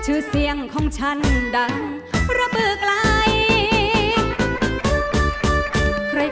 ชื่อเสียงของฉันดังระบือไกล